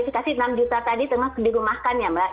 pertama saya klarifikasi enam juta tadi termasuk dirumahkan ya mbak